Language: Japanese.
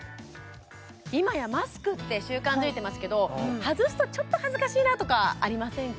今やマスクって習慣づいてますけど外すとちょっと恥ずかしいなとかありませんか？